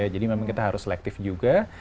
jadi memang kita harus selektif juga